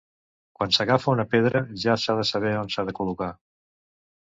Quan s'agafa una pedra ja s'ha de saber on s'ha de col·locar.